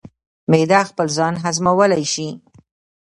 معده خپل ځان هضمولی شي.